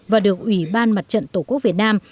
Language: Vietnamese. và được ủy ban mặt trận tổ quốc việt nam